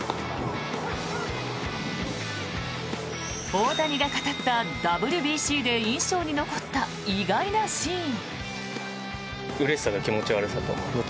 大谷が語った、ＷＢＣで印象に残った意外なシーン。